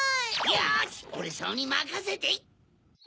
よしオレさまにまかせて！